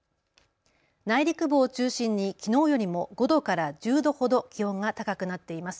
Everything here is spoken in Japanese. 内陸部を中心にきのうよりも５度から１０度ほど気温が高くなっています。